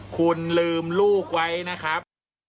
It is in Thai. คุณลืมลูกไว้นะครับ